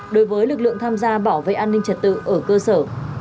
đối với lực lượng tham gia bảo vệ an ninh trật tự ở cơ sở